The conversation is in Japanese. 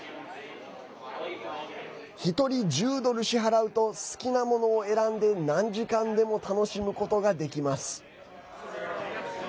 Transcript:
１人１０ドル支払うと好きなものを選んで何時間でも楽しむことができます。